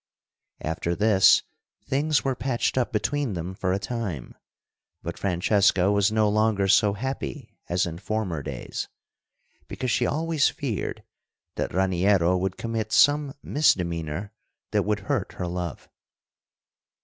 After this, things were patched up between them for a time, but Francesca was no longer so happy as in former days, because she always feared that Raniero would commit some misdemeanor that would hurt her love.